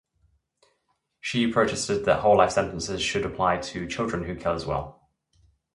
She protested that whole life sentences should apply to children who kill as well.